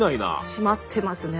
締まってますね